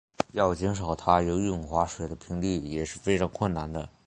要减少他游泳划水的频率也是非常困难的。